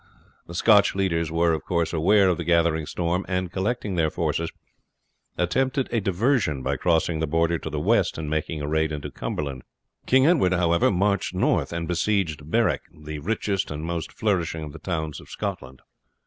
The Scotch leaders were, of course, aware of the gathering storm, and, collecting their forces, attempted a diversion by crossing the Border to the west and making a raid into Cumberland. King Edward, however, marched north and besieged Berwick, the richest and most flourishing of the towns of Scotland.